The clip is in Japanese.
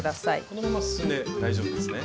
このまま進んで大丈夫ですね？